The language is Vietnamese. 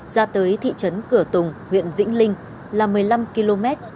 ra tới thị trấn cửa tùng huyện vĩnh linh là một mươi năm km